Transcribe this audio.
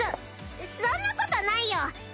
そそんなことないよ。